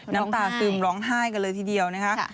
น้ำตาซึมร้องไห้กันเลยทีเดียวนะคะ